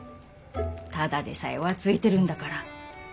ただでさえ浮ついてるんだから。